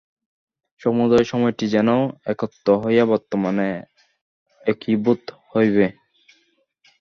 সমুদয় সময়টি যেন একত্র হইয়া বর্তমানে একীভূত হইবে।